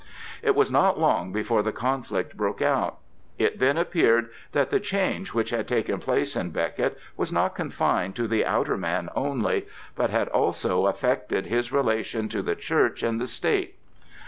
It was not long before the conflict broke out. It then appeared that the change which had taken place in Becket was not confined to the outer man only, but had also affected his relation to the Church and the State.